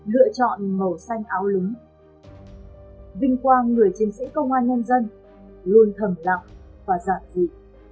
lựa chọn màu xanh áo lúng vinh quang người chiến sĩ công an nhân dân luôn thẩm lạc và giả dị